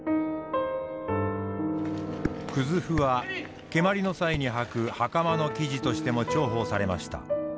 葛布は蹴鞠の際にはく袴の生地としても重宝されました。